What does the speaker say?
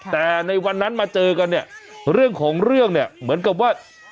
แต่ในวันนั้นมาเจอกันเนี่ยเรื่องของเรื่องเนี่ยเหมือนกับว่า